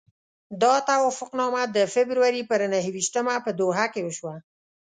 دا توافقنامه د فبروري پر نهه ویشتمه په دوحه کې وشوه.